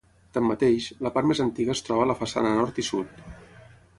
Tanmateix, la part més antiga es troba a la façana nord i sud.